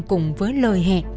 cùng với lời hẹn